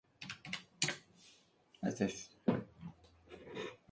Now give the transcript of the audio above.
Come moluscos y poliquetos.